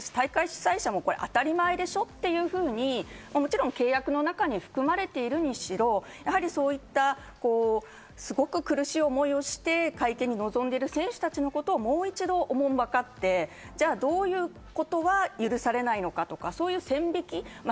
大会主催者もこれ当たり前でしょ、もちろん契約書の中に含まれていることも含めて、すごく苦しい思いをして会見に臨んでいる選手たちのことをもう一度おもんばかって、ではどういうことは許されないのかという線引き。